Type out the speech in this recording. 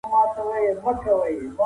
بهرنۍ پالیسي د باور اړیکي نه خرابوي.